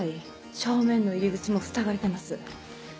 正面の入り口もふさがれてます。